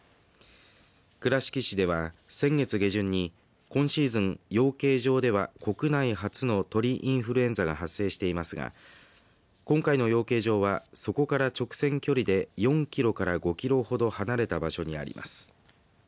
倉敷市では先月下旬に今シーズン養鶏場では国内初の鳥インフルエンザが発生していますが今回の養鶏場はそこから直線距離で４キロから５キロほど離れた場所にあります。